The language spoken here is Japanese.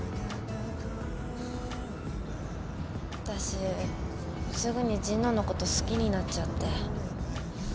わたしすぐに神野のこと好きになっちゃって。